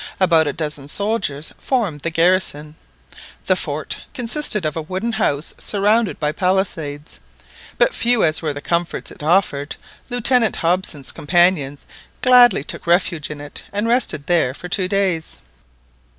About a dozen soldiers formed the garrison. The fort consisted of a wooden house surrounded by palisades. But few as were the comforts it offered, Lieutenant Hobson's companions gladly took refuge in it and rested there for two days.